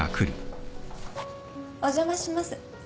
お邪魔します。